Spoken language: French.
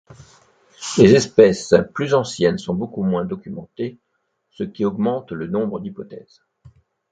Les espèces plus anciennes sont beaucoup moins documentées, ce qui augmente le nombre d'hypothèses.